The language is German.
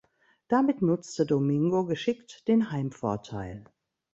Damit nutzte Domingo geschickt den Heimvorteil.